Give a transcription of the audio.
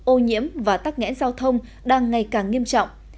ô nhiễm và tắc nghẽn giao thông đang ngày càng nghiêm trọng